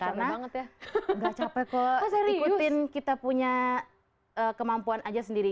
karena gak capek kok ikutin kita punya kemampuan aja sendiri